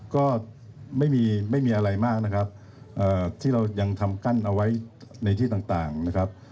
ก็ไม่มีไม่มีอะไรมากนะครับที่เรายังทำกั้นเอาไว้ในที่ต่างนะครับ